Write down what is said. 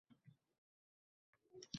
Po‘lat irodali inson edi...